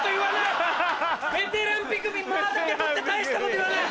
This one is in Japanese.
ベテランピクミン間だけ取って大したこと言わない！